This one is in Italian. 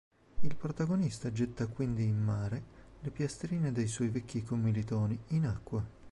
Il protagonista getta quindi in mare le piastrine dei suoi vecchi commilitoni in acqua.